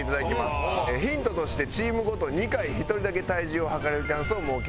ヒントとしてチームごとに２回１人だけ体重を測れるチャンスを設けます。